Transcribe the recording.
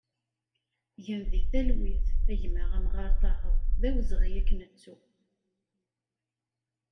Gen di talwit a gma Amɣar Tahar, d awezɣi ad k-nettu!